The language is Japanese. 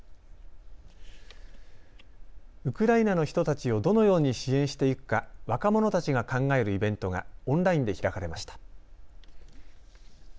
ウクライナの人たちをどのように支援していくか若者たちが考えるイベントがオンラインで開かれました。